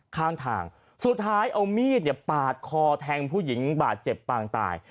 ข้างทางสุดท้ายเอามีดเนี่ยปาดคอแทงผู้หญิงบาดเจ็บปางตาย